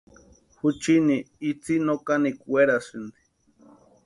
Juchini itsï no kanikwa werasïnti.